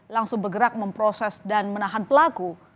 langsung bergerak memproses dan menahan pelaku